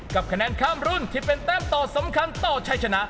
คะแนนข้ามรุ่นที่เป็นแต้มต่อสำคัญต่อชัยชนะ